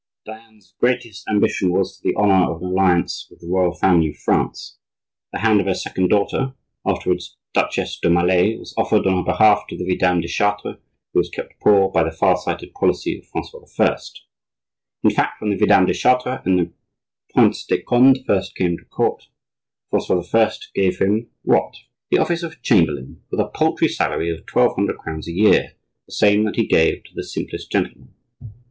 Diane's greatest ambition was for the honor of an alliance with the royal family of France. The hand of her second daughter (afterwards Duchesse d'Aumale) was offered on her behalf to the Vidame de Chartres, who was kept poor by the far sighted policy of Francois I. In fact, when the Vidame de Chartres and the Prince de Conde first came to court, Francois I. gave them—what? The office of chamberlain, with a paltry salary of twelve hundred crowns a year, the same that he gave to the simplest gentlemen.